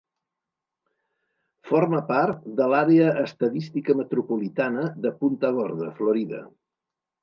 Forma part de l'Àrea Estadística Metropolitana de Punta Gorda, Florida.